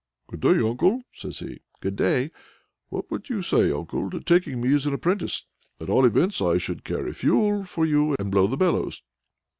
"Good day, uncle!" says he. "Good day!" "What should you say, uncle, to taking me as an apprentice? At all events, I could carry fuel for you, and blow the bellows."